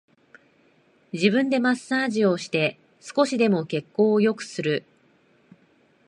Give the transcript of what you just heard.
自分でマッサージをして少しでも血行を良くする